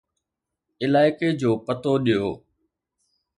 علائقي جو پتو ڏيو